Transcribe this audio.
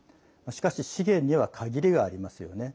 しかし、資源には限りがありますよね。